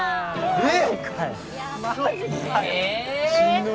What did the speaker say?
えっ